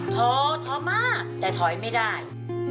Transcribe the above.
ท้อท้อมากแต่ถอยไม่ได้